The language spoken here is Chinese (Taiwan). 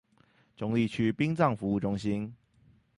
中壢區殯葬服務中心